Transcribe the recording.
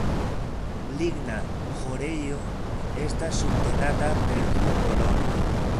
Ligna ĥorejo estas subtenata per du kolonoj.